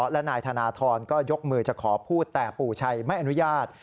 และนายธนทรก็ยกมือจะขอพูดแต่ปู่ชัยไม่อนุญาต